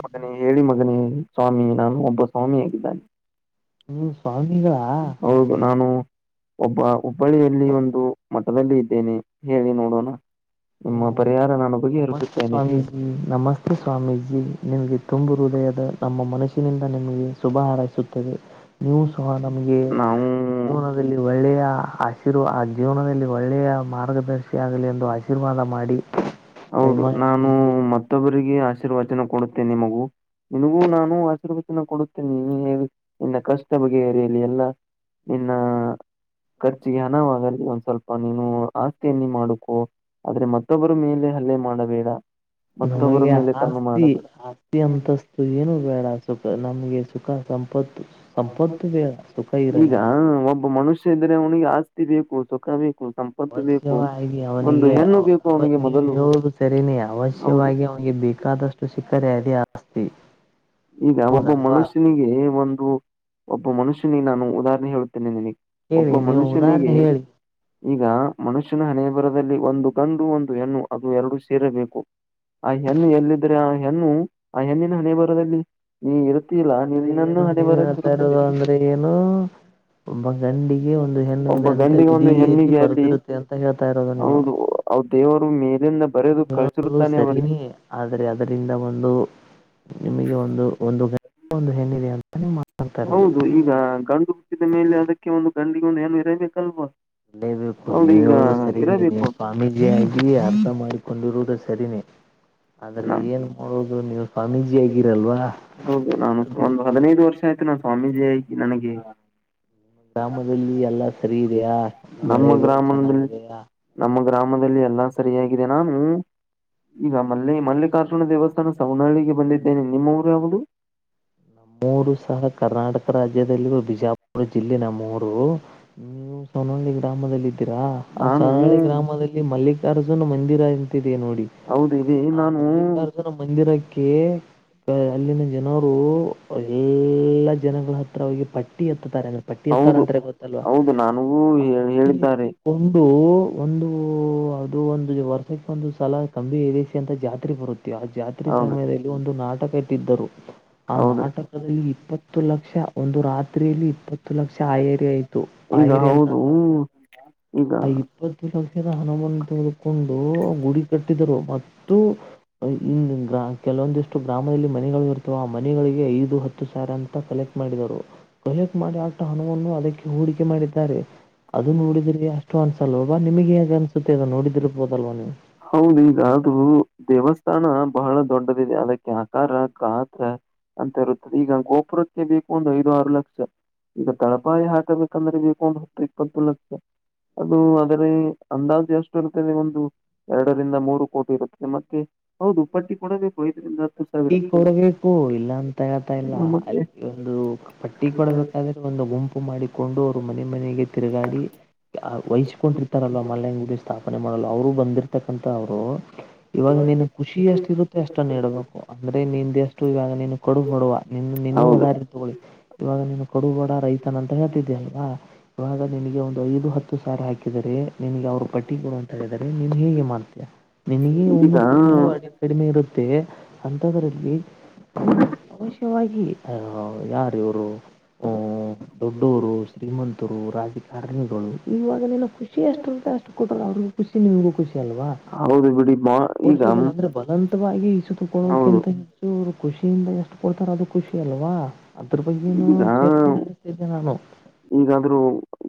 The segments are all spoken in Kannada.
ಮಗನ ಹೇಳಿ ಮಗನೇ ಸ್ವಾಮಿ ನಾನು ಒಬ್ಬ ಸ್ವಾಮಿಯಾಗಿದ್ದಾನೆ ನೀವು ಸ್ವಾಮಿಗಳ ಹೌದು ನಾನು ಒಬ್ಬ ಹುಬ್ಬಳ್ಳಿಯಲ್ಲಿ ಒಂದು ಮಠದಲ್ಲಿ ಇದ್ದೇನೆ ಹೇಳಿ ನೋಡೋಣ ನಿಮ್ಮ ನೀವು ಪರಿಹಾರ ನಾನು ನಮಸ್ತೆ ಬಗೆಹರಿಸುತ್ತೇನೆ ಸ್ವಾಮೀಜಿ ನಮಸ್ತೆ ಸ್ವಾಮೀಜಿ ನಿಮಗ ತುಂಬು ಹೃದಯದ ನಮ್ಮ ಮನಸ್ಸಿನಿಂದ ನಿಮಗೆ ಶುಭ ಹಾರೈಸುತೇವೆ. ನೀವು ಸಹ ನಮಗೆ ನಾವು ಜೀವನದಲ್ಲಿ ಒಳ್ಳೆಯ ಆಶೀರ್ವಾದ ಆ ಜೀವನದಲ್ಲಿ ಒಳ್ಳೆಯ ಮಾರ್ಗದರ್ಶಿ ಆಗಲಿ ಎಂದು ಆಶೀರ್ವಾದ ಮಾಡಿ ಹೌದು ದಯಮಾಡಿ ನಾನು ನಿಮಗೆ ಮತ್ತೊಬ್ಬರಿಗೆ ಆಶೀರ್ವಚನ ಕೊಡುತ್ತೇನೆ ಮಗು ನಿನಗೂ ನಾನು ಆಶೀರ್ವಚನ ಕೊಡುತ್ತೇನೆ ನಿನ್ನ ಕಷ್ಟ ಬಗೆಹರಿಯಲಿ ಎಲ್ಲಾ ಇನ್ನ ಖರ್ಚಿಗೆ ಹಣವಾಗಲ್ಲಿ ಒಂದ್ ಸ್ವಲ್ಪ ನೀನು ಆಸ್ತಿಯನ್ನ ಮಾಡಕೊ ಆದ್ರೆ ಮತ್ತೊಬ್ಬರ ಮೇಲೆ ಹಲ್ಲೆ ಮಾಡಬೇಡ ಮತ್ತೊಬ್ಬರ ನಮಗೆ ಮೇಲೆ ಕಣ್ಣು ಆಸ್ತಿ ಮಾಡಬೇಡ ಆಸ್ತಿ ಅಂತಸ್ತು ಏನು ಬೇಡ ಸುಖ ನಮ್ಗೆ ಸುಖ ಸಂಪತ್ತು ಸಂಪತ್ತು ಬೇಡ ಸುಖ ಇರಲೀ ಆಸೆ ಇದ್ದರೆ ಅವನಿಗೆ ಆಸ್ತಿ ಬೇಕು ಸುಖ ಬೇಕು ಸಂಪತ್ತು ಬೇಕು ಅವಶ್ಯವಾಗಿ ಒಂದು ಅವನಿಗೆ ಹೆಣ್ಣು ಅವ ಬೇಕು ಅವ ಅವನಿಗೆ ಮೊದಲು ನೀವು ಹೇಳೋದು ಸರೀನೇ ಹೌದು ಅವಶ್ಯವಾಗಿ ಅವನಿಗೆ ಬೇಕಾದಷ್ಟು ಸಿಕ್ಕರೆ ಅದೇ ಆಸ್ತಿ ಈಗ ಒಬ್ಬ ಹೌದಲ್ವಾ ಮನುಷ್ಯನಿಗೆ ಒಂದು ಒಬ್ಬ ಮನುಷ್ಯನ ನಾನು ಉದಾಹರಣೆ ಹೇಳುತ್ತೇನೆ ನಿನಗೆ ಹೇಳಿ ಒಬ್ಬ ನೀವು ಉದಾಹರಣೆ ಮನುಷ್ಯನಿಗೆ ಹೇಳಿ ಈಗ ಮನುಷ್ಯನ ಹಣೆ ಬರಹದಲ್ಲಿ ಒಂದು ಗಂಡು ಒಂದು ಹೆಣ್ಣು ಅದು ಎರಡು ಸೇರಬೇಕು ಆ ಹೆಣ್ಣು ಎಲ್ಲಿದ್ರೆ ಆ ಹೆಣ್ಣು ಆ ಹೆಣ್ಣಿನ ಹಣೆ ಬರದಲ್ಲಿ ನೀ ಇರು ತ್ತಿಲ್ಲ ಅಂದ್ರೆ ನಿನ್ನನ್ನು ಏನು ಹಣೆ ನೀವ್ ಹೇಳ್ತಾ ಬರಹದಲ್ಲಿರುತ್ತದೆ ಇರೋದು ಅಂದ್ರೆ ಏನು ಒಬ್ಬ ಗಂಡಿಗೆ ಒಂದು ಒಬ್ಬ ಹೆಣ್ಣುವುದಂತೆ ಗಂಡಿಗೆ ಒಂದು ವಿಧಿಯಲ್ಲಿ ಹೆಣ್ಣಿಗೆ ಅಲ್ಲಿ ಬರೆದಿರುತ್ತೆ ಅಂತ ಹೇಳ್ತಾ ಹೌದು ಅವ ದೇವರು ಮೇಲೆ ನೀವು ಹೇಳುವುದು ಸರಿನೇ ಆದರೆ ಅದರಿಂದ ಒಂದು ನಿಮಗೆ ಒಂದು ಒಂದು ಗಂಡು ಒಂದು ಹೆಣ್ಣಿದೆ ಅಂತನೆ ಹೌದು ಈಗ ಗಂಡು ಹುಟ್ಟಿದ ಮೇಲೆ ಅದಕ್ಕೆ ಒಂದು ಗಂಡಗ ಒಂದು ಹೆಣ್ಣು ಇರಬೇಕಲ್ವಾ ಅಲ್ಲೇಬೇಕು ಹೌದು ನೀವ ಈಗ ಹೇಳದು ಸರಿನೇ ಇದೆ ಇರಬೇಕು ನೀವು ಸ್ವಾಮೀಜಿಯಾಗಿ ಅರ್ಥ ಮಾಡಿಕೊಂಡಿರುವುದು ಸರಿನೇ ಆದ್ರೆ ನಾನು ಏನ್ ಮಾಡೋುದು ನೀವು ಸ್ವಾಮೀಜಿ ಆಗಿರಲ್ವಾ ಅದಕೆ ಸ್ವಾಮಿಜಿ ಆಗಿ ನನಗೆ ಗ್ರಾಮದಲ್ಲಿ ಎಲ್ಲಾ ಸರಿ ಇದೆಯಾ ನಮ್ಮ ಮಳೆ ಬೆಳೆ ಗ್ರಾಮದಲ್ಲಿ ಚೆನ್ನಾಗಿದೆಯಾ ನಮ್ಮ ನಮ್ಮ ಗ್ರಾಮದಲ್ಲಿ ಎಲ್ಲಾ ಸರಿಯಾಗಿದೆ ನಾ ಹೂ ಈಗ ಮಲ್ಲಿ ಮಲ್ಲಿ ಮಲ್ಲಿಕಾರ್ಜುನ ದೇವಸ್ಥಾನ ಸವನಳ್ಳಿಗೆ ಬಂದಿದ್ದೇನೆ ನಿಮ ಊರು ಯಾವ್ದದು ನಮ್ಮ ಊರು ಸಹಾ ಕರ್ನಾಟಕ ರಾಜ್ಯದಲ್ಲಿ ಬಿಜಾಪುರ ಜಿಲ್ಲೆ ನಮ್ ಊರು ನೀವು ಸನ್ನೊಳಿ ಗ್ರಾಮದಲ್ಲಿ ಇರ್ತೀರಾ ಆ ನಾನು ಸರಾಳಿ ಗ್ರಾಮದಲ್ಲಿ ಮಲ್ಲಿಕಾರ್ಜುನ ಮಂದಿರ ಅಂತ ಇ ದೇ ನೋಡಿ ಹೌದು ಇದೆ ಆ ನಾನು ಮಲ್ಲಿಕಾರ್ಜುನ ಮಂದಿರಕ್ಕೆ ಅಲ್ಲಿನ ಜನರು ಎಲ್ಲಾ ಜನಗಳ ಹತ್ತಿ ರ ಹೋಗಿ ಪಟ್ಟಿ ಎತ್ತತಾರೆ ಅಂದ್ರೆ ಪಟ್ಟಿ ಎತ್ತಾರ ಹೌದು ಅಂತ್ರ ಗೊತ್ತಲ್ವಾ ಹೌದು ನನಗೂ ಆ ಹೇ- ಪಟ್ಟಿ ಹೇಳಿದ್ದಾರೆ ಎತ್ತಿಕೊಂಡು ಒಂದು ಅದು ಒಂದು ವರ್ಷಕ್ಕೆ ಒಂದು ಸಲ ಕಮ್ಮಿ ವೇಶಿ ಅಂತ ಜಾತ್ರೆ ಬರುತ್ತೆ ಜಾತ್ರೆ ಹೌದು ಸಮಯದಲ್ಲಿ ಒಂದು ನಾಟಕ ಇಟ್ಟಿದ್ದರು ಆ ಹೌದು ನಾಟಕದಲ್ಲಿ ಇಪ್ಪತ್ತು ಲಕ್ಷ ಒಂದು ರಾತ್ರಿಯಲ್ಲಿ ಇಪ್ಪತ್ತು ಲಕ್ಷ ಆಯರಿ ಆಯತು ಈಗ ಪಾಯರಿ ಹೌದು ಅಂತ್ರ ಆ ಇಪ್ಪತ್ತು ಲಕ್ಷದ ಹಣವನ್ನು ತೆಗೆಕೊಂಡು ಗುಡಿ ಕಟ್ಟರು ಮತ್ತು ಈ ಗ ಕೆಲವೊಂದಿಷ್ಟು ಗ್ರಾಮದಲ್ಲಿ ಮನೆಗಳು ಇ ಆ ಮನೆಗಳಿಗೆ ಐದು ಹತ್ತು ಸಾವಿರ ಅಂತ ಕಲೆಕ್ಟ್ ಮಾಡಿದರು ಕಲೆಕ್ಟ್ ಮಾಡಿ ಆಟ ಹಣವನ್ನು ಅದಕ್ಕೆ ಹೂಡಿಕೆ ಮಾಡಿದ್ದಾರೆ ಅದು ಈಗ ನೋಡಿದ್ರಿ ಅಷ್ಟು ಅನ್ಸಲ್ವಾವಾ ನಿಮಗೆ ಹೇಗ್ ಅನ್ಸುತ್ತೆ ಅದ ನೋಡಿದಿರ್ಬೋದಲ್ವಾ ನೀವು ಹ ಈಗಾದೂ ದೇವಸ್ಥಾನ ಬಹಳ ದೊಡ್ಡದಿದೆ ಅದಕ್ಕೆ ಆಕಾರ ಗಾತ್ರ ಅಂತ ಇರುತ್ತದೆ ಈಗ ಗೋಪುರಕ್ಕೆ ಬೇಕು ಒಂದು ಐದು ಆರು ಲಕ್ಷ ಈಗ ತಳಪಾಯಿ ಹಾಕಬೇಕಂದ್ರೆ ಬ ಒಂದು ಹೊತ್ತು ಇಪ್ಪತ್ತು ಲಕ್ಷ ಅದು ಅದರೆ ಅಂದಾಜು ಎಷ್ಟು ಇರುತದೆ ಒಂದು ಎರಡು ರಿಂದ ಮೂರು ಕೋಟಿ ಇರುತ್ತೆ ಮತ್ತೆ ಹೌದು ಪಟ್ಟಿ ಕೂಡ ಬೇಕು ಇದರಿಂದ ಪಟ್ಟಿ ಕೊಡಬೇಕು ಇಲ್ಲ ಅಂತ ಹೇಳ್ತಾ ಇಲ್ಲ ಮತ್ತೆ ಅಲ್ಲಿ ಒಂದು ಪಟ್ಟಿ ಕೊಡಬೇಕಾದ್ರೆ ಒಂದು ಗುಂಪು ಮಾಡಿಕೊಂಡು ಅವರು ಮನೆ ಮನೆಗೆ ತಿರುಗಾಡಿ ವಹಿಸ್ಕೊಂಡಿರ್ತಾರಲ್ವಾ ಮಲ್ಲಂಗ ಉಡಿಸ ಸ್ತಾಪ ಪನೆ ಮಾಡಲ್ಲ ಅವರು ಬಂದಿರ್ತಕ್ಕಂತ ಅವ್ರು ಇವಾಗ ನೀನು ಖುಷಿ ಎಷ್ಟ ಇರುತ್ತೆ ಅಷ್ಟನ್ ಇಡಬೇಕು ಅಂದ್ರೆ ನಿಂದ ಎಷ್ಟು ಇವಾಗ ನೀನು ಕಡು ಹೊಡುವ ನೀ ನಿನ್ನ ಹೌದು ಉದಾರಿ ತಗೊಳ್ಳಿ ಇವಾಗ ನೀನು ಕಡು ಬಡ ರೈತನ ಅಂತ ಹೇಳ್ತಿದ್ದೀ ಅಲ್ವಾ ಇವಾಗ ನಿನಗೆ ಒಂದು ಐದು ಹತ್ತು ಸಾರಿ ಹಾಕಿದರೆ ನಿನಗೆ ಅವರು ಪಟ್ಟಿ ಕೊಡ ಅಂತ ಹೇಳಿದರೆ ನೀನು ಹೇಗೆ ಮಾಡ್ತೀಯ ನಿನಗೆ ಈಗ ಉನ್ನ ತಿನಲ್ಲೂ ಕಡಿಮೆ ನೀಡುತ್ತ ಅದ್ರಲ್ಲಿ ಅವಶ್ಯವಾಗಿ ಆ ಯಾರ ಇವರು ಹ ದೊಡ್ಡವರು ಶ್ರೀಮಂತರು ರಾಜಕಾರಣಿಗಳು ಇವಾಗ ನಿನ್ನ ಖುಷಿ ಎಷ್ಟು ಅಷ್ಟು ಕೊರರು ಅವ್ರಗೂ ಖುಮಗೂ ಖಷಿ ಅಲ್ವಾ ಹೌದು ಬಿಡಿ ಮಾ ಈಗ ಸವಾಗಿ ಈ ಹೌದು ಸುತಕೊಳ್ಳೋಕಿಂತ ಹೆಚ್ಚುರು ಖುಷಿಯಿಂದ ಎಷ್ಟು ಕೊಡ್ತಾರ ಅದು ಖುಷಿ ಅಲ್ವಾ ಅದ್ರ ಬಗ್ಗೆನ ಈಗ ಚರ್ಚೆ ನಡೆತಿದ್ದೆ ನಾನು ಈಗಾದ್ರೂ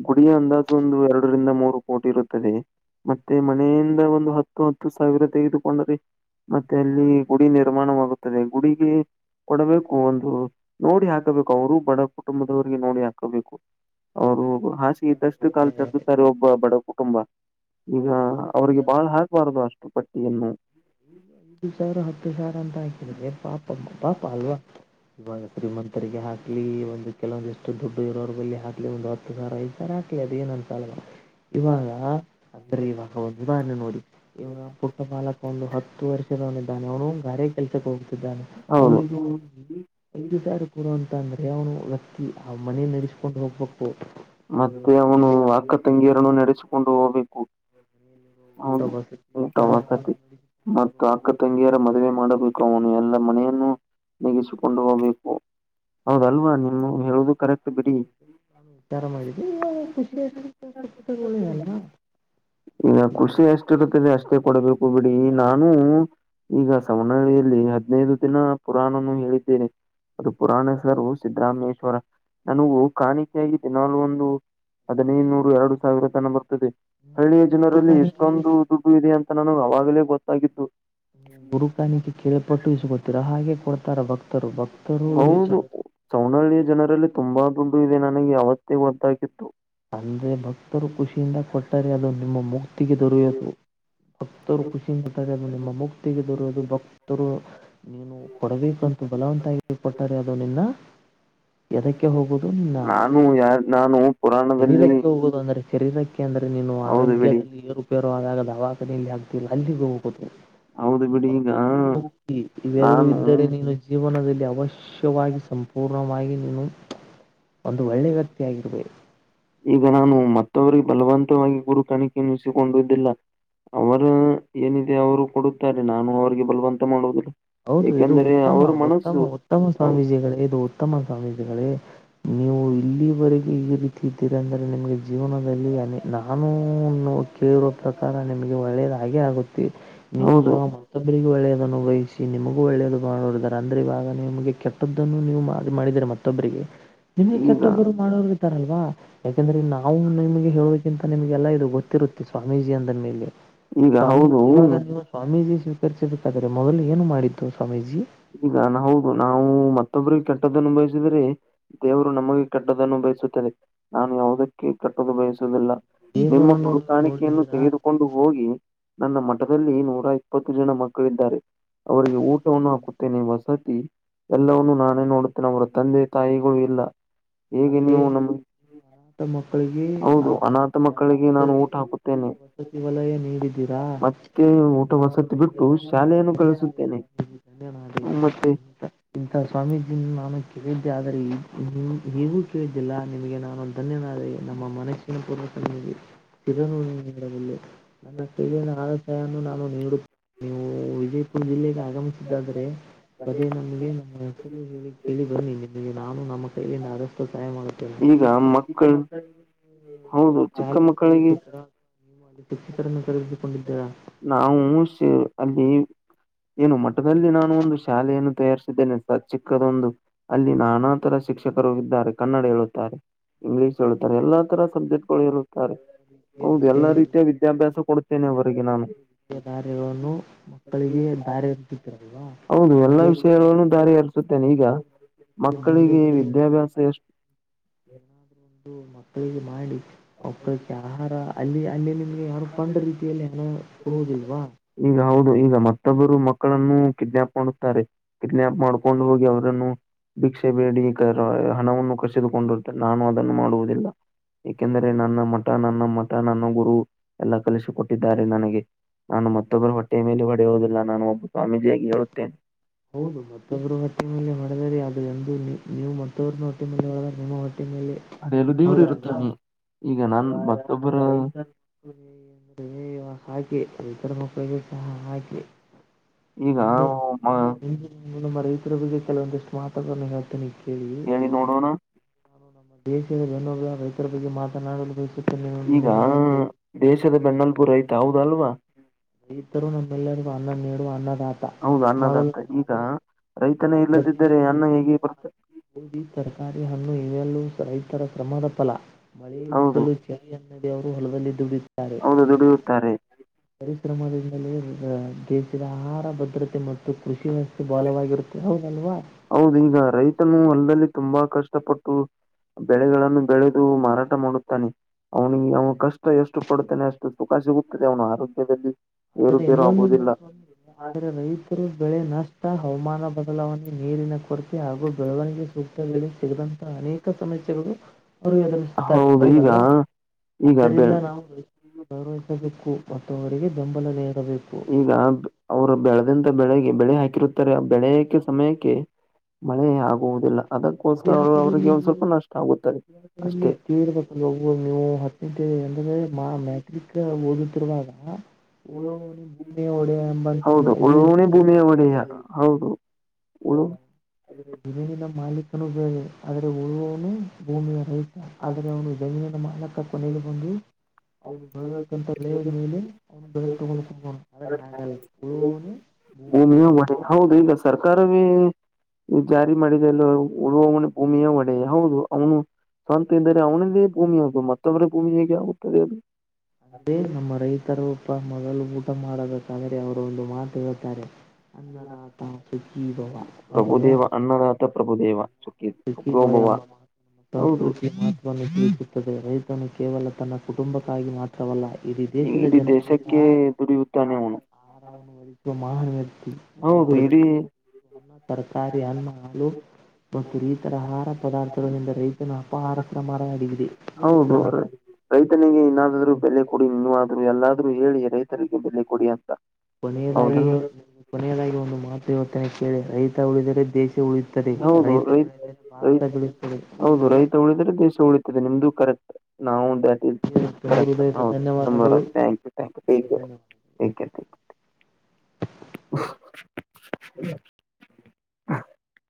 ಗುಡಿಯ ಅಂದಾಜು ಒಂದು ಎರಡರಿಂದ ಮೂರು ಕೋಟಿ ಇರುತ್ತದೆ ಮತ್ತೆ ಮನೆಯಿಂದ ಒಂದು ಹತ್ತು ಹತ್ತು ಸಾವಿರ ತೆಗೆದುಕೊಂಡ್ರಿ ಮತ್ತೆ ಅಲ್ಲಿ ಗುಡಿ ನಿರ್ಮಾಣವಾಗುತ್ತದೆ ಗುಡಿಗೆ ಕೊಡಬೇಕು ಒಂದು ನೋಡಿ ಹಾಕಬೇಕು ಅವರು ಬಡ ಕುಟುಂಬದವರಿಗೆ ನೋಡಿ ಹಾಕಬೇಕು ಅವರು ಹಾಸಿ ಇದ್ದಷ್ಟು ಕಾಲು ಚ್ದುತ್ತಾರೆ ಒಬ್ಬ ಬಡ ಕುಟುಂಬ ಈಗ ಹೌದು ಅವ್ರಿಗೆ ಬಾಳ್ ಹಾಕ್ಬಾರದು ಅಷ್ಟು ಪಟ್ಟಿಯನ್ನು ಐದು ಸಾವಿರ ಹತ್ತು ಸಾವಿರ ಅಂತ ಹಾಕಿದೆ ಪಾಪ ಪಾಪ ಅಲ್ವಾ ಇವಾಗ ಶ್ರೀಮಂತರಿಗೆ ಹಾಕ್ಲಿ ಒಂದು ಕೆಲವೊಂದಿಷ್ಟು ದುಡ್ಡು ಇರೋರ್ ಬಲ್ಲಿ ಹಾಕ್ಲಿ ಒಂದು ಹತ್ತು ಸ ಐ ಕರಾಟ್ ಅ ನಂತಳಾ ಇವಾಗ ಅಂದ್ರೆ ಇವಾಗ ಒಂದುಾರಣೆ ನೋಡಿ ಇವಾಗ ಪುಟ್ಟ ಪಾಲಕ ಒಂದು ಹತ್ತು ಹ ವರ್ಷದವನಿದ್ದಾನೆ ಅವನು ಗಾರೆ ಕೆಲ್ಸಕ್ಕೆ ಹೋಗ್ತಿದ್ದಾನೆ ಹೌದು ಅವನಿಗೂ ಐದು ಸಾರು ಪೂರ ಅಂತ ಅಂದ್ರೆ ಅವನು ವ್ಯಕ್ತಿ ಆ ಮನೆ ನಡೆಸ್ಕೊಂಡ್ ಹೋಗ್ಬ ಮತ್ತೆ ಅವನು ಅಕ್ಕ ತಂಗಿಯರನ್ನು ನಡೆಸಿಕೊಂಡು ಹೋಗ್ಬೇಕು ಮನೆಯಲ್ಲಿರುವ ಊಟ ಹೌದು ವಸತಿ ಊಟ ವಿಚಾರಗಳನ್ನು ವಸತಿ ನಡೆಸಿಕೊಂಡು ಮತ್ತ ಹೋಗ್ಬೇಕು ಅಕ್ಕ ತಂಗಿಯರ ಮ ಮದೆ ಮಾಡಬೇಕು ಅವನು ಎಲ್ಲಾ ಮನೆಯನ್ನು ನಗಿಸಿಕೊಂಡು ಹೋಗ್ಬೇಕು ಹೌದಲ್ವಾ ನಿಮ್ಮ ಹೇಳುದು ಕರೆಕ್ಟ್ ಬಿಡಿ ನಾನು ವಿಚಾರ ಮಾಡಿದ್ದಿ ಇವಾಗ ಖುಷಿಯಷ್ಟ ತಗಿದೆಲ್ವಾ ಈಗ ಖುಷಿ ಎಷ್ಟಿರ್ತ್ತದೆ ಅಷ್ಟೇ ಕೊಡಬೇಕು ಬಿಡಿ ನಾನು ಈಗ ಸವನಹಳ್ಳಿಯಲ್ಲಿ ಹದ್ನದು ದಿನ ಪುರಾಣನು ಹೇಳಿದ್ದೇನೆ ಅದು ಪುರಾಣಸರು ಸಿದ್ದರಾಮೇಶ್ವರ ನನಗ ಕಾಣಿಕೆಯಾಗಿ ದಿನಲು ಒಂದು ಅದನೇ ನೂರು ಎರಡು ಸಾವಿರ ತನ ಬರ್ತದೆ ನೀವು ಸ್ಥಳೀಯ ಜನರಲ್ಲಿ ಗುರುಕಾಣಿಕೆ ಎಷ್ಟೊಂದು ದುಡ್ಡು ಇದೆ ಅಂತ ನನಗೆ ಅವಾಗಲೇ ಗೊತ್ತಾಗಿದ್ದತ್ತು ನೀವು ಗುರುಕಾಣಿಕ ಕೆರೆ ಪಟ್ಟುಯಿಸಿ ಗೊತ್ತೀರಾ ಹಾಗೆ ಕೊಡ್ತಾರ ಭಕ್ತ ಹೌದು ಸೌನಹಳ್ಳಿಯ ಜನರಲ್ಲಿ ತುಂಬಾ ದುಂಡು ಇದೆ ನನಗೆ ಅವಸ್ ಒದ್ದಾಗಿತ್ತು ಅಂದ್ರೆ ಭಕ್ತರು ಖುಷಿಯಿಂದ ಕೊಟ್ಟರೆ ಅದು ನಿಮ್ಮ ಮುಕ್ತಿಗೆ ದೊರೆಯಿತು ಭಕ್ತರು ಖುಷಿನ್ ಕೊಟ್ಟಾರೆ ಅ ನಿಮ್ಮ ಮುಕ್ತಿಗೆದರುದು ಭಕ್ತರು ನೀನು ಕೊಡಬೇಕಂತ ಬಲವಂತಾಗಿ ಕೊಟ್ಟರೆ ಅದು ನಿನ್ನ ಎದಕ್ಕೆ ಹೋಗೋುದು ನಿನ್ನ ನಾನು ಯಾರ್ ನಾನು ಪುರಾಣದಲ್ಲಿ ಶರೀರಕ್ಕೆ ಹೋಗೋುದು ಅಂದ್ರೆ ಶರೀರಕ್ಕೆ ಯಾಕೆಂದ್ರೆ ನೀನು ಹೌದು ಬಿಡಿ ಆರೋಗ್ಯದಲ್ಲಿ ಏರುಪೇರು ಆದಾಗ ದವಾಖಾನಲ್ಲಿ ಆಗ್ತಿಲ್ಲ ಅಲ್ಲಿಗೆ ಹೋಗುದು ಹೌದು ಬಿಡಿ ಈಗ ಭಕ್ತಿ ಮುಕ್ತಿ ಇವೆರಡೂ ನಾನು ಇದ್ದರೆ ನೀನು ಜೀವನದಲ್ಲಿ ಅವಶ್ಯವಾಗಿ ಸಂಪೂರ್ಣ ಪೂರ್ಣವಾಗಿ ನನ್ನು ಒಂದು ಒಳ್ಳೆ ವ್ಯಕ್ತಿ ಆಗಿರ್ಬೇಕಹು ಈಗ ನಾನು ಮತ್ತೊವರಿಗೆ ಬಲವಂತವಾಗಿ ಗುರು ಕಣಿಕೆನ್ನಿಸಿಕೊಂಡಿದ್ದಿಲ್ಲ ಅವರು ಏನಿದೆ ಅವರು ಕೊಡುತ್ತಾರೆ ನಾನು ಅವ್ರಿಗೆ ಬಲವಂತ ಮಾಡುದಿಲ್ಲ ಹೌದು ಇದು ಉತ್ತಮ ಉತ್ತಮ ಉತ್ತಮ ಸ್ವಾಮೀಜಿಗಳೇ ಇದು ಉತ್ತಮ ಸ್ವಾಮೀಜಿಗಳೇ ನೀವು ಇಲ್ಲಿವರೆಗೆ ಈ ರೀತಿ ಇದ್ದೀರಿ ಅಂದರೆ ನಿಮಗೆ ಜೀವನದಲ್ಲಿ ಅ ನಾನೂ ಕೇಳುವ ಪ್ರಕಾರ ನಿಮಗೆ ಒಳ್ಳೆಯದ ಹಾಗೆ ಆಗುತ್ತೆ ನೀವು ಹೌದು ಸಹ ಮತ್ತೊಬ್ಬರಿಗೆ ಒಳ್ಳೆಯದನ್ನು ವಹಿಸಿ ಮಗೂ ಒಳ್ಳೆಯದು ನೋಡಾರೆ ಅಂದ್ರೆ ಇವಾಗ ನಿಮಗೆ ಕೆಟ್ಟದ್ದನ್ನು ನೀವು ಮಾಡಿದ್ರರೆ ಮತ್ತೊಬ್ಬರಿಗೆ ನಿಮ್ಗೆ ಈಗ ಕೆಟ್ಟೊಬ್ಬರು ಮಾಡೋರು ಇದ್ದಾರಲ್ವಾ ಯಾಕೆಂದ್ರೆ ನಾವು ನಿಮ್ಗೆ ಹೇಳಕ್ಕಿಂತ ನಿಮ್ಗೆಲ್ಲ ಇದು ಗೊತ್ತ ರುತ್ತೆ ಸ್ವಾಮೀಜಿ ಅಂದನ್ ಮೇಲೆ ಈಗ ಸ್ವಾಮೀಜ ಇವಾಗ ಹೌದು ನೀವು ಸ್ವಾಮೀಜಿ ಕರಿಸದಕ್ಕಾದ್ರೆ ಮೊದಲು ಏನು ಮಾಡಿದ್ದು ಸಮಯ ಈಗಾ ಹೌದು ನಾವು ಮತ್ತ ಮತ್ತೊಬ್ಬರಿಗೆ ಕೆಟ್ಟದ್ದನ್ನುನು ಬಯಸಿದ್ರೆ ದೇವರು ನಮಗೆ ಕೆಟ್ಟದನ್ನು ಬಯಸುತ್ತದೆ ನಾನು ಯಾವುದಕ್ಕೆ ಪ್ಪದು ಬಯಸುವುದಿಲ್ಲ ನಿಮ್ಮ ದೇವರನ್ನು ನೀವು ಕುರುಕಾಣಿಕೆಯನ್ನು ನೋಡಿದ್ದೀರಾ ತೆಗೆದುಕೊಂಡು ಹೋಗಿ ನನ್ನ ಮಠದಲ್ಲಿ ನೂರ ಇಪ್ಪತ್ತು ಜನ ಮಕ್ಕಳಿದ್ದಾರೆ ಅವರಿಗೆ ಊಟವನ್ನು ಹಾಕ ವಸತಿ ಎಲ್ಲವವನ್ನುೂ ನಾನೇ ನೋಡುತ್ತೇನೆ ಅವರ ತಂದೆ ತಾಯಿಗಳು ಇಲ್ಲ ಹೇಗೆ ಅಂದ್ರೆ ನೀವು ನಮಗೆ ಅನಾಥ ಮಕ್ಕಳಿಗೆ ಹೌದು ಆ ಅನಾಥ ಎಲ್ಲ ಮಕ್ಕಳಿಗೆ ನಾನು ವಸತಿ ಊಟ ಹಾಕುತ್ತೇನೆ ವಸತಿ ವಲಯ ನೀಡಿದ್ದೀರಾ ಮತ್ತೆ ಊಟ ವಸತಿ ಬಿಟ್ಟು ಶಾಲೆಯನ್ನು ಕಳಿಸುತ್ತೇನೆ ಧನ್ಯನಾದೆ. ಮತ್ತೆ ಇಂತ ಸ್ವಾಮೀಜಿ ನಾನು ಕೇಳಿದ್ದೆ ಆದರೆೆ ಹಗೂ ಕೇಳಿದ್ದಿಲ್ಲ ನಿಮಗೆ ನಾನುೊಂದು ಧನ್ಯವಾದ ನಮ್ಮ ಮನಸ್ಸಿನ ಪೂರ್ವಸ ಇದನ್ನು ನೀಡಬಿಲ್ಲ ನನ್ನ ಕಗಿನ ಆದ ಸಾಯನ್ನು ನಾನು ನೀಡುತ್ತ ನೀವು ವಿಜಯಪುರ ಜಿಲ್ಲೆಗೆ ಆಗಮಿಸಿದ್ದಾದ್ರೆ ಅದೇ ನಮಗೆ ನಮ್ಮ ಹೆಸರು ಹೇಳಿ ಕೇಳಿ ಬನ್ನಿ ನಿಮಗೆ ನಾನು ನಮ್ಮ ಕೈಲಿಂದ ಆದಷ್ಟು ಸಹಾಯ ಮಾಡುತ್ತೇನೆ. ಈಗ ಮಕ್ಕಳ ಹೌದು ನೀವು ಚಿಕ್ಕ ಮಕ್ಕಳಿಗೆ ಎ ಕಾರರ ನರ ನಾವು ಅಲ್ಲಿ ಏನು ಮಠದಲ್ಲಿ ನಾನು ಒಂದು ಶಾಲೆಯನ್ನು ತಯಾರಿಸಿದ್ದೇನೆ ಸ ಚಿಕ್ಕದೊಂದು ಅಲ್ಲಿ ನಾನಾ ಶಿಕ್ಷಕರು ಇದ್ದಾರೆ ಕನ್ನಡ ಹೇಳುತ್ತಾರೆ ಇಂಗ್ಲಿೀಷ್ ಹೇಳುತ್ತಾರೆ ಎಲ್ಲಾ ತರ ಸಬ್ಜೆಕ್ಟ್ಗಳು ಇರುತ್ತ ಹೌದು ಎಲ್ಲಾ ರೀತಿಯ ವಿದ್ಯಾಭ್ಯಾಸ ಕೊಡ್ ಎಲ್ಲ ರೀತಿಯ ವತ್ಯ ದಾರಿಗಳನ್ನು ಮಕ್ಕಳಿಗೆ ದಾರಿಂತಿದ್ದರಲ್ವಾ [inaudible] ರಿಹರಿಸುತ್ತೇನೆ ಈಗ ರೀತಿಯಲ್ಲಿ ಮುಂದೆ ಮಕ್ಕಳಿಗೆ ಬರಲಿ ಅಂತ ವಿದ್ಯಾಭ್ಯಾಸ ಎಷ್ಟು ಮಕ್ಕಳಿಗೆ ಮಾಡಿ ಮಕ್ಕಳಿಗೆ ಆಹಾರ ಅಲ್ಲಿ ಅಲ್ಲಿ ನಿ ಯಾರು ಪೊಂಡ ರೀತಿಯಲ್ಲಿ ಕೊಡುವುದಲ್ವಾ ಈಗ ಹೌದು ಈಗ ಮತ್ತೊಬ್ಬರು ಮಕ್ಕಳನ್ನು ಕಿಡ್ನಾಯಪ್ ಮಾಡುತ್ತಾರೆ ಕಿಡ್ನಾಯಪ್ ಮಾಡ್ಕೊಂಡು ಹೋಗಿ ಅವ್ರನ್ನು ಭಿಕ್ಷೆ ಬೇಡಿ ಕ ಹಣವನ್ನು ಕಸಿದುಕೊಂಡಿರುತ್ತೆ ನಾನು ಅದನ್ನು ಮಾಡುವುದಿಲ್ಲ ಏಕೆಂದರೆ ನನ್ನ ಮಠ ನನ್ನ ಮಠ ನನ್ನ ಗುರು ಎಲ್ಲ ಕಲಿಸಿಕೊಟ್ಟಿದ್ದಾರೆ ನನಗೆ ನಾನು ಮತ್ತೊಬ್ಬರು ಹೊಟ್ಟೆಯ ಮೇಲೆ ಹೊಡೆಯುವುದಿಲ್ಲ ನಾನು ಒಬ್ಬ ಸ್ವಾಮೀಜಿಯಾಗಿ ಹೇಳುತ್ತೇನೆ ಹೌದು ಮತ್ತೊಬ್ಬರ ಹೊಟ್ಟೆ ಮಲ್ಲಿ ಹೊಡೆದರೆ ಅದು ಎಂದು ನೀವು ಮತ್ತೊಬನ ಹೊಟ್ಟೆ ಮಲ್ಲಿ ಹೊಡೆದ ನಿಮ್ಮ ಹೊಟ್ಟೆ ಮೇಲೆ ಅದೇಲ್ಲ ದೇವ್ರು ಹೌದಲ್ವಾ ಇರುತ್ತಾನ ಈಗ ನಾನ್ ಮತ್ತೊಬ್ಬರ ಹಾಕಿ ರೈತರ ಮಕ್ಕಳಿಗೂ ಸಹ ಹಾಕಿ. ಈಗ ಮ ಇ ಇ ನಮ್ಮ ರೈತರ ಬಗ್ಗೆ ಕೆಲವೊಂದಿಷ್ಟು ಮಾತಗಳನ್ನು ಹೇಳ್ತೇನೆ. ಕೇಳಿ ಹೇಳಿ ನೋಡೋಣ. ನಾನು ನಮ್ಮ ದೇಶದ ಬೆನ್ನೆಲಬು ರೈತರ ಬಗ್ಗೆ ಮಾತ್ ಈಗ ದೇಶದ ಬೆನ್ನೆಲುಬು ರೈತ ಹೌದ ಅಲ್ವಾ? ರೈತರು ನಮ್ಮಲ್ಲರಿಗೂ ಅನ್ನ ನೀಡುವ ಅನ್ನದಾತ. ಹೌದು ಅನ್ನದಾತ ಈಗ ಮೊದಲನೆಯದಾಗಿ ರೈತನೇ ಇಲ್ಲದಿದ್ದರೆ ಅನ್ನ ಹೇಗೆ ಬರ್ತದೆ. ಇಡೀ ತರಕಾರಿ ಹಣ್ಣು ಇವೆಲ್ಲೂ ರೈತರ ಶ್ರಮದ ಫಲ ಮಳೆ ಹೌದು ಬಿದ್ದಲು ಚಳಿಯನ್ನದೇ ಅವರು ಹೊಲದಲ್ಲಿ ದುಡಿದು ತ್ತಾರೆ. ಹೌದು ದುಡಿಯುತ್ತಾರೆ. ಪರಿಶ್ರಮದಿಂದಲೇ ದೇಶದ ಆಹಾರ ಭದ್ರತೆ ಮತ್ತು ಕೃಷಿ ವ್ಯವಸ್ಥೆ ಬಾಲವಾಗಿರುತ್ತೆ ಹೌದಲ್ವಾ. ಹೌದು ಈಗ ರೈತನು ಹೊಲದಲ್ಲಿ ತುಂಬಾ ಕಷ್ಟಪಟ್ಟು ಬೆಳೆಗಳನ್ನು ಬೆಳೆದು ಮಾರಾಟ ಮಾಡುತ್ತಾನೆ ಅವ್ನಿಗೆ ಅವನು ಕಷ್ಟ ಎಷ್ಟು ಪಡುತ್ತಾನೆ ಅಷ್ಟು ಸುಖ ಸಿಗುತ್ತದೆ ಅವನ ಆರೋಗ್ಯದಲ್ಲಿ ಆದ್ರೆ ಏರುಪೇರು ಇನ್ನೊಂದು ಆಗುವುದಿಲ್ಲ [unintelligible] ಆದ್ರೆ ರೈತರು ಬೆಳೆ ನಷ್ಟ ಹವಾಮಾನ ಬದಲಾವಣೆ ನೀರಿನ ಕೊರತೆ ಹಾಗೂ ಬೆಳವಣಿಗೆ ಸೂಕ್ತ ಬೆಲೆ ಸಿಗಿದಂತಹ ಅನೇಕ ಸಮಸ್ಯೆಗಳು ಅವರು ಎದುರಿಸುತ್ತಿದ್ದಾರೆ. ಹೌದ ಈಗ ಈಗ ಬೆ ಆದ್ದರಿಂದ ನಾವು ರೈತನ್ನು ಗೌರವಿಸಬೇಕು ಮತ್ತು ಅವರಿಗೆ ಬೆಂಬಲವೇ ಈಗ ಅವರು ಬೆಳೆದಿಂದ ಬೆಳೆಗೆ ಬೆಲೆ ಹಾಕಿರುತ್ತೆ. [unintelligible] ಬೆಳೆಯಕ್ಕೆ ಸಮಯಕ್ಕೆ ಮಳೆ ಆಗುವುದಿಲ್ಲ. ಅದಕ್ಕೋಸ್ಕರ ಅವರಿಗೆ ಒಂದ್ ಸ್ವಲ್ಪ ನಷ್ಟ ಆಗುತ್ತದೆ. ಮನೆಯಲ್ಲಿ ಅಷ್ಟೇ ತೀವ್ರ [unintelligible] ನೀವು ಹತ್ತನೆತ್ತೆ ಅಂದ್ರೆ ಮಾ ಮ್ಯಾಟ್ರಿಕ್ ಓದುತ್ತಿರುವಾಗ ಓದುವವನೇ ಮನೆಯ ಒಡೆಯ ಎಂಬಂತೆ ಇದು ಇರ್ತದ. ಹ ಹೌದು ಆದ್ರೆ ಜಮೀನಿನ ಮಾಲೀಕನೂ ಬೇರೆ ಆದರೆ ಉಳುವವನು ಭೂಮಿಯ ರೈತ. ಆದೆರೆ ಅವನು ಜಮೀನಿನ ಮಾಲಿಕಾ ಕೊನೆಗೆ ಬಂದು ಅವನು ಬೆಳೆದಿರ್ತಕಂತಕ್ಕ ಬೆಲೆ ಬೆಲೆಯ ಮೇಲೆ ಅವನು ದುಡ್ಡು ತಗೊಂಡು ಕುಡ್ಕೊಂಡ ಆದ್ರೆ ಹಾಗಲ್ಲ ಉಳುವವನು ಭೂಮಿಯ ಒಡೆಯ ಹೌದು ಈಗ ಸರ್ಕಾರವೇ ಈ ಜಾರಿಗೆ ಮಾಡಿದೇಯಲ್ಲ ಉಳುವವನ ಭೂಮಿಯ ಒಡೆಯ ಹೌದು ಅವನು ಸ್ವಂತ ಇದ್ದರೆ ಅವನದೇ ಭೂಮಿ ಅದು ಮತ್ತೊಬ್ಬರ ಭೂಮಿ ಹೇಗೆ ಆಗುತ್ತದೆ ಅದು ಅಂದ್ರೆ ನಮ್ಮ ರೈತರು. ಅಪ್ಪ ಮೊದಲು ಊಟ ಮಾಡಬೇಕಾದರೆ ಅವರು ಒಂದು ಮಾತು ಹೇಳ್ತಾರೆ. ಅನ್ನದಾತ ಸುಖೀ ಭವ ಪ್ರಭುದೇವ ಅನ್ನದಾತ ಪ್ರಭುದೇವ. ಸುಖಿ [unintelligible] ಬಾಯ ಪ್ರಭವ ಎಂಬ ಹೌದು ಸಂಸ್ಕೃತಿಯ ಮಹತ್ವವನ್ನು ತಿಳಿಸುತ್ತದೆ ರೈತನು ಕೇವಲ ತನ್ನ ಕುಟುಂಬಕ್ಕಾಗಿ ಮಾತ್ರವಲ್ಲ ಇಡೀ ದೇಶದ ಇಡೀ ಜನರಿಗೆ ಸಹ ದೇಶಕ್ಕೆ ದುಡಿಯುತ್ತಾನೆ ಆಹಾರ ಅವನು ಆಹಾರವನು ವದಿಗಿಸುವ ಮಹಾನ್ ವ್ಯಕ್ತಿ ನಾವು ಹೌದು ಇಡೀ ಪ್ರತಿದಿನ ಅನ್ನ ತರಕಾರಿ ಅನ್ನ ಹಾಲು ಮತ್ತು ಇರತರ ಆಹಾರ ಪದಾರ್ಥಗಳಿಂದ ರೈತನ ಅಪಹಾರಕ್ರಮರ ಅಡಗಿದೆ. ಹೌದು ರೈತನಿಗೆ ಇನ್ನಾದಾದ್ರು ಬೆಲೆ ಕೊಡಿ ನೀವಾದ್ರು ಎಲ್ಲಾದರೂ ಹೇಳಿ ರೈತರಿಗೆ ಬೆಲೆ ಕೊಡಿ ಅಂತ. ಕೊನೆಯದಾಗಿ ಹೌದಲ್ಲ ಹೇಳ್ ಕೊನೆಯದಾಗಿ ಒಂದು ಮಾತು ಹೇಳುತ್ತೇನೆ ಕೇಳಿ ರೈತ ಉಳಿದರೆ ದೇಶ. ಉಳಿಯುತ್ತದೆ ಹೌದು ರೈತ ರೈ ಬೆಳೆದರೆ ಭಾರತ ಬೆಳೆಯುತ್ತದೆ. ಅದೇ ದೇಶ ಉಳಿತದೆ ನಿಮ್ದು ಕರೆಕ್ಟ್. ನಾವು ತುಂಬು ಕರೆಕ್ಟ್ ಹೃದಯದ ಹೌದು ತುಂಬ ಧನ್ಯವಾದಗಳು ಥ್ಯಾಂಕ್ ಯು ಥ್ಯಾಂಕ್ ಯು. ಧನ್ಯವಾದ ಥ್ಯಾಂಕ್ ಯು ಥ್ಯಾಂಕ್ ಯು. [inaudible] [inaudible]